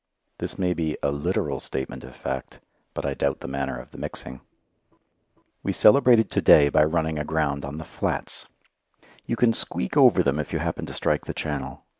This may be a literal statement of fact, but I doubt the manner of the mixing. We celebrated to day by running aground on the flats. You can "squeak" over them if you happen to strike the channel.